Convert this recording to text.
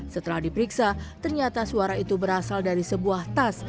setelah diperiksa ternyata suara itu berasal dari sebuah tas